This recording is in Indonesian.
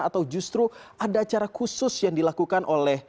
atau justru ada acara khusus yang dilakukan oleh